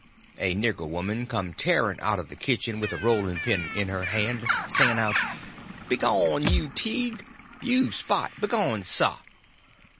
A nigger woman come tearing out of the kitchen with a rolling pin in her hand, singing out, "Begone you Tige! you Spot! begone sah!"